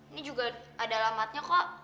ini juga ada alamatnya kok